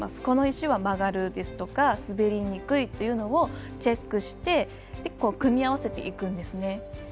この石は曲がるですとか滑りにくいというのをチェックして組み合わせていくんですね。